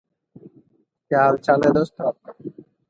He was one of the followers of Karabakh singing school.